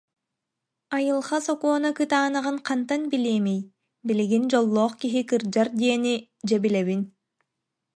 Айылҕа сокуона кытаанаҕын хантан билиэмий, билигин «дьоллоох киһи кырдьар» диэни, дьэ, билэбин